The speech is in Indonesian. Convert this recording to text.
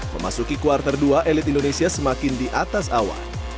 memasuki kuartal dua elit indonesia semakin di atas awan